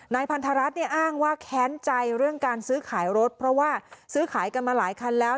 พันธรัฐเนี่ยอ้างว่าแค้นใจเรื่องการซื้อขายรถเพราะว่าซื้อขายกันมาหลายคันแล้ว